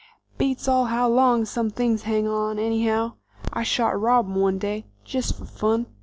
"Beats all how long some things hang on, anyhow. I shot a robin one day, jest fer fun.